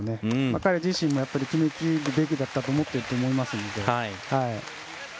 彼自身も決めきるべきだったと思っていると思いますので。